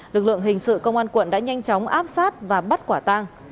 lực lượng hình sự công an quận đã nhanh chóng áp sát và bắt quả tang